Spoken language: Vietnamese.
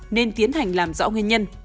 nên tiến hành làm rõ nguyên nhân